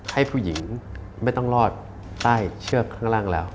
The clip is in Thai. ให้ผู้หญิงไม่ต้องรอดใต้เชือกข้างล่างแล้ว